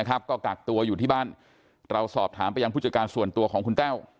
ก็กักตัวอยู่ที่บ้านเราสอบถามไปยังผู้จัดการส่วนตัวของคุณแต้ว